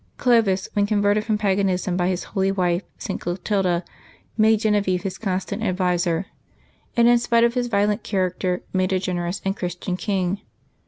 Clovis, when converted from paganism by his Januaky 4] LIVES OF THE SAINTS 25 holy wife, St. Clotilda, made Genevieve his constant ad viser, and, in spite of his violent character, made a gen erous and Christian king.